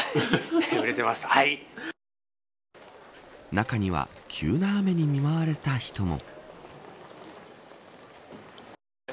中には急な雨に見舞われた人も。